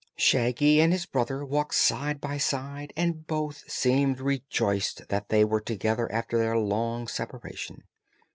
Shaggy and his brother walked side by side and both seemed rejoiced that they were together after their long separation.